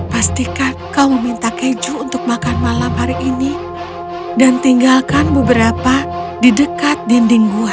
pastikan kau meminta keju untuk makan malam hari ini dan tinggalkan beberapa di dekat dinding gua